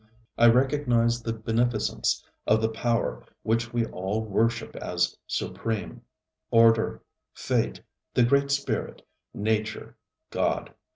I recognize the beneficence of the power which we all worship as supreme Order, Fate, the Great Spirit, Nature, God.